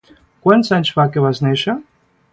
Quants anys fa que vas néixer?